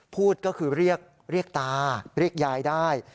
พูดก็คือเรียกตาเรียกยายได้